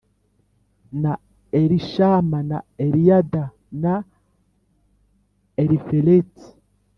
na Elishama na Eliyada na Elifeleti.